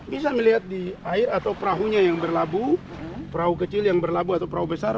bisa melihat di air atau perahunya yang berlabu perahu kecil yang berlabuh atau perahu besar